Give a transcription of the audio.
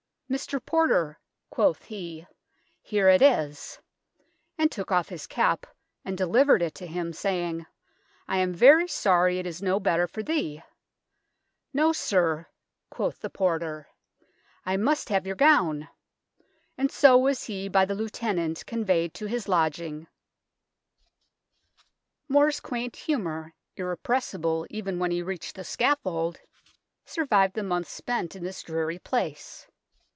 " Mr. Porter," quoth he, " heere it is," and tooke off his capp, and delivered it to him, saying, " I am very sorry it is noe better for thee." " Noe, sir," quoth the porter, " I must have your gowne." And soe was he by the Lieutenant conveyed to his lodginge." More's quaint humour, irrepressible even when he reached the scaffold, survived the 66 THE TOWER OF LONDON months spent in this dreary place.